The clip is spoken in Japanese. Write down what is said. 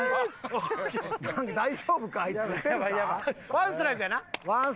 ワンストライクやな？